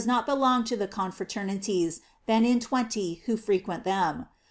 663 not belong to the confraternities than in twenty who frequent them.